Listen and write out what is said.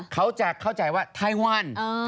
เขาจะเข้าใจว่าไทยวัน